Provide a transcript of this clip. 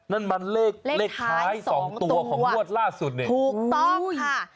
นั่นมันเลขท้าย๒ตัวของงวดล่าสุดนี่ถูกต้องค่ะโอ้โฮ